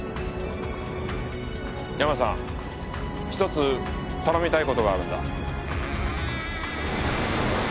ヤマさん一つ頼みたい事があるんだ。